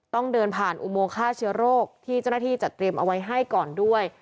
ต้องเดินผ่านอุโมงฆ่าเชื้อโรคที่เจ้าหน้าที่จัดเตรียมเอาไว้ให้ก่อนด้วย